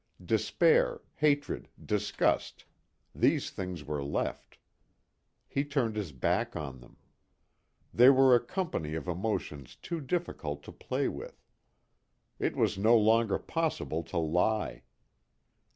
Despair, hatred, disgust these things were left. He turned his back on them. They were a company of emotions too difficult to play with. It was no longer possible to lie.